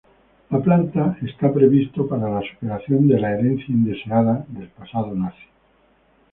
La planta está previsto para la superación de la "herencia indeseada" del pasado nazi.